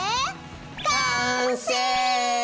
完成！